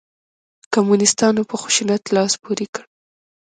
کمونسیتانو په خشونت لاس پورې کړ.